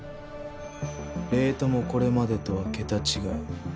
レートもこれまでとは桁違い。